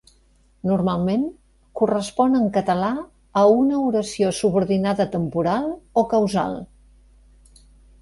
Normalment correspon en català a una oració subordinada temporal o causal.